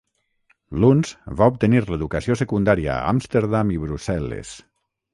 Luns va obtenir l'educació secundària a Amsterdam i Brussel·les.